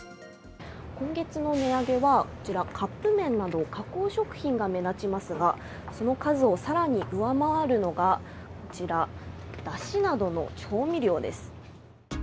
今月の値上げは、こちらカップ麺など加工食品が目立ちますがその数を更に上回るのがこちら、だしなどの調味料です。